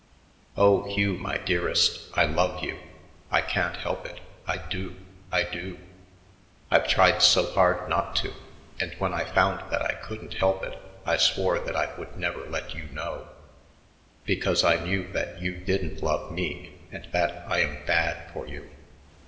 Oh, Hugh my dearest, I love you. I can't help it I do, I do. I've tried so hard not to and when I found that I couldn't help it I swore that I would never let you know because I knew that you didn't love me and that I am bad for you.